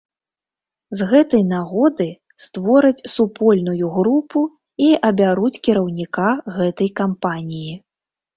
З гэтай нагоды створаць супольную групу і абяруць кіраўніка гэтай кампаніі.